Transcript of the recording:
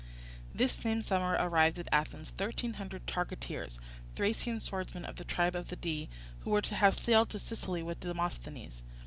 This same summer arrived at Athens thirteen hundred targeteers, Thracian swordsmen of the tribe of the Dii, who were to have sailed to Sicily with Demosthenes.